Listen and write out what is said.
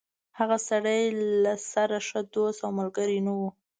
هغه سړی له سره ښه دوست او ملګری نه و.